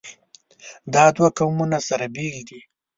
دا دوه قومونه سره بېل دي.